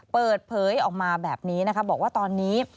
เปิดเผยออกมาแบบนี้นะคะบอกว่าตอนนี้